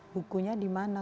bukunya di mana